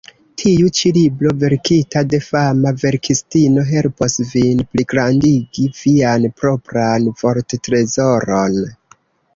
Tiu ĉi libro, verkita de fama verkistino, helpos vin pligrandigi vian propran vorttrezoron.